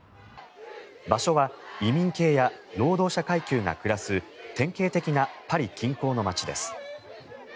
場所は移民系や労働者階級が暮らす、典型的なパリ近郊の街です。